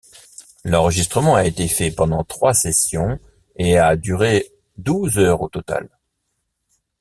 L’enregistrement a été fait pendant trois sessions et a duré douze heures au total.